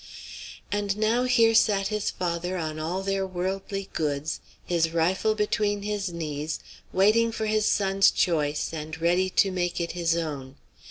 And now here sat his father, on all their worldly goods, his rifle between his knees, waiting for his son's choice, and ready to make it his own.